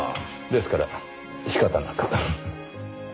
ですから仕方なく。